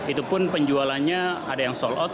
itu pun penjualannya ada yang sold out